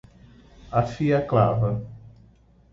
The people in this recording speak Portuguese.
Afie a clava